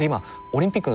オリンピック？